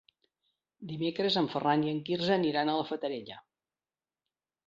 Dimecres en Ferran i en Quirze aniran a la Fatarella.